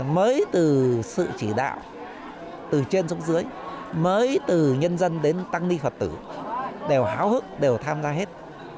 mới từ sự chỉ đạo từ trên xuống dưới mới từ nhân dân đến tăng ni phật tử đều háo hức đều tham gia hết